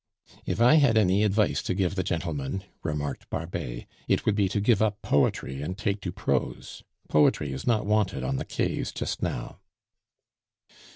"If I had any advice to give the gentleman," remarked Barbet, "it would be to give up poetry and take to prose. Poetry is not wanted on the Quais just now."